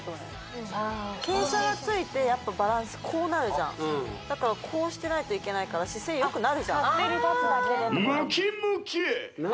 傾斜がついてやっぱバランスこうなるじゃんだからこうしてないといけないから姿勢よくなるじゃん勝手に立つだけでってことか何？